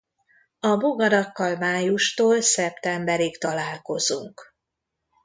A bogarakkal májustól szeptemberig találkozunk.